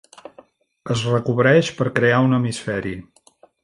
Es recobreix per crear un hemisferi.